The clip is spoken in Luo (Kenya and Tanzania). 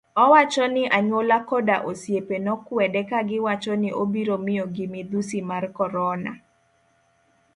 Owacho ni anyuola koda osiepe nokwede kagiwacho ni obiro miyo gi midhusi mar korona.